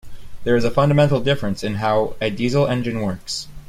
There is a fundamental difference in how a diesel engine works.